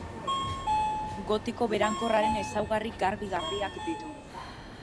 Gotiko berankorraren ezaugarri garbi-garbiak ditu.